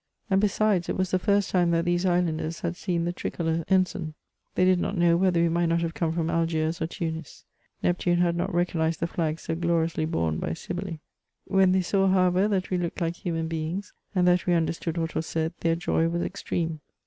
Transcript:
And besides, it was the first time that these islanders had seen the tricolor ensign ; they did not know whether we might not have come from Algiers or Tunis; Neptune had not recognised the flag so gloriously borne by Cybele. When they saw, however, that we looked like human beings, and that we understood what was said, their joy was ex treme.